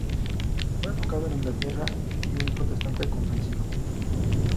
Fue educado en Inglaterra y un protestante convencido.